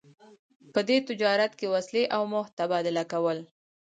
په دې تجارت کې وسلې او مهت تبادله کول.